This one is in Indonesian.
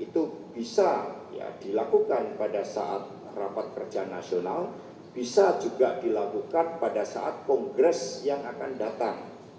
itu bisa dilakukan pada saat rapat kerja nasional bisa juga dilakukan pada saat kongres yang akan datang